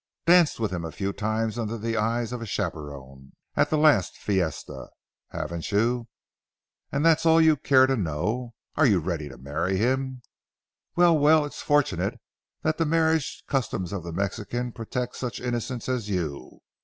Danced with him a few times under the eyes of a chaperon at the last fiesta, haven't you? And that's all you care to know, and are ready to marry him. Well, well, it's fortunate that the marriage customs of the Mexicans protect such innocents as you.